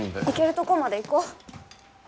行けるとこまで行こう。